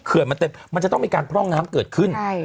มันเต็มมันจะต้องมีการพร่องน้ำเกิดขึ้น